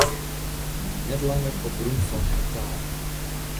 Net langer op grûn fan hektaren.